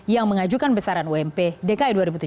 yang mengajukan besaran ump dki dua ribu tujuh belas